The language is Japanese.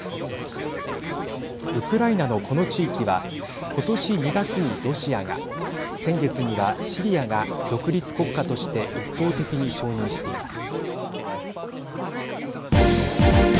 ウクライナのこの地域はことし２月に、ロシアが先月には、シリアが独立国家として一方的に承認しています。